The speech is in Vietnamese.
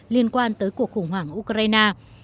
liên quan tới cuộc khủng hoảng ukraine